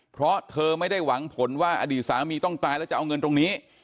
เพราะเธอไม่ได้หวังผลว่าอดีตสามีต้องตายแล้วจะเอาเงินตรงนี้